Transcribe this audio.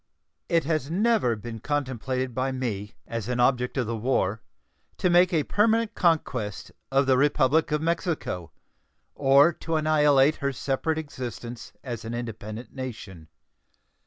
It has never been contemplated by me, as an object of the war, to make a permanent conquest of the Republic of Mexico or to annihilate her separate existence as an independent nation.